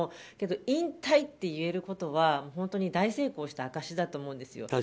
けど、引退と言えることは大成功した証しだと思うんですよ。